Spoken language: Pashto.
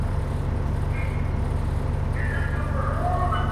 له ما، جواد او نورو ملګرو سره